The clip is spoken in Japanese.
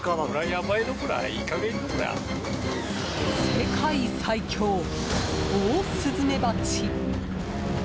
世界最凶、オオスズメバチ。